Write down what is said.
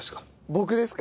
僕ですか？